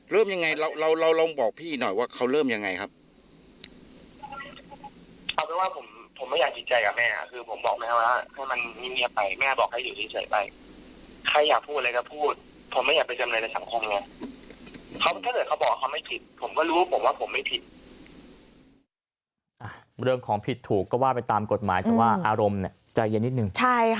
เรื่องของผิดถูกก็ว่าไปตามกฎหมายแต่ว่าอารมณ์เนี่ยใจเย็นนิดนึง